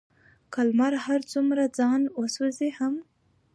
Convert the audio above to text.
که لمر هر څومره ځان وسوزوي هم،